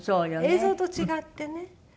映像と違ってね